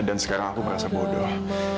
dan sekarang aku merasa bodoh